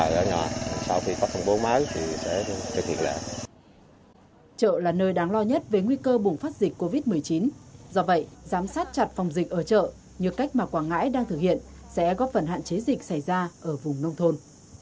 giám sát chặt phòng dịch ở chợ như cách mà quảng ngãi đang thực hiện sẽ góp phần hạn chế dịch xảy ra ở vùng nông thôn